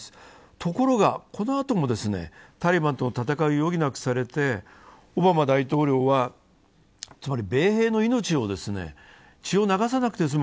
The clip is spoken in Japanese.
ところがこのあともタリバンとの戦いを余儀なくされてオバマ大統領は米兵の命を、血を流さなくて済む